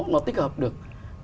nó tích hợp được